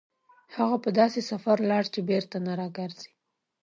هغه په داسې سفر لاړ چې بېرته نه راګرځي.